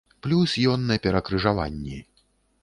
Плюс ён на перакрыжаванні.